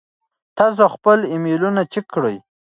تاسو خپل ایمیلونه چیک کړئ.